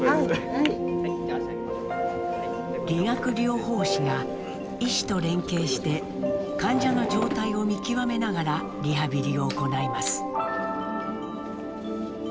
「理学療法士」が医師と連携して患者の状態を見極めながらリハビリを行います。